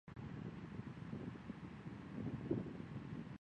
北部凹腹鳕为辐鳍鱼纲鳕形目鼠尾鳕科凹腹鳕属的鱼类。